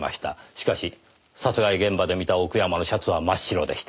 しかし殺害現場で見た奥山のシャツは真っ白でした。